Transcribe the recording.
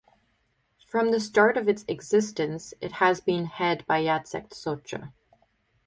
From the start of its existence it has been head by Jacek Socha.